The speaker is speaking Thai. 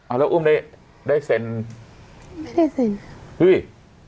แล้วอุ้มได้ได้เซ็นไม่ได้เซ็นเฮ้ย